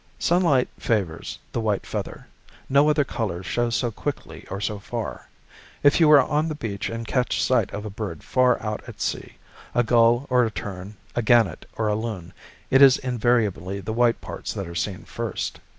Sunlight favors the white feather; no other color shows so quickly or so far. If you are on the beach and catch sight of a bird far out at sea, a gull or a tern, a gannet or a loon, it is invariably the white parts that are seen first.